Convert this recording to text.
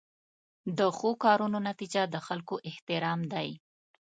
د ښو کارونو نتیجه د خلکو احترام دی.